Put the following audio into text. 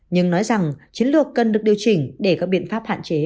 nhưng nói rằng chiến lược cần được điều chỉnh để các biện pháp hạn chế